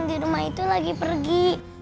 di rumah itu lagi pergi